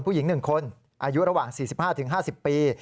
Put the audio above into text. ผู้หญิงหนึ่งคนอายุระหว่าง๔๕ถึง๕๐ปี